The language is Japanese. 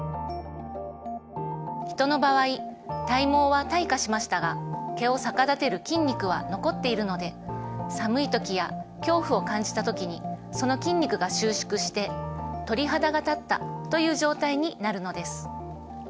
ヒトの場合体毛は退化しましたが毛を逆立てる筋肉は残っているので寒い時や恐怖を感じた時にその筋肉が収縮して鳥肌が立ったという状態になるのです。